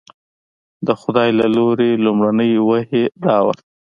د خدای له لوري لومړنۍ وحي دا وه.